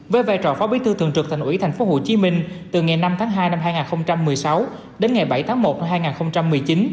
với vai trò phó bí thư thường trực thành ủy tp hcm từ ngày năm tháng hai năm hai nghìn một mươi sáu đến ngày bảy tháng một năm hai nghìn một mươi chín